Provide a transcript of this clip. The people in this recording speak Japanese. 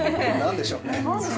何でしょうね？